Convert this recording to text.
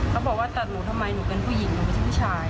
เขาบอกว่าตัดหนูทำไมหนูเป็นผู้หญิงหนูไม่ใช่ผู้ชาย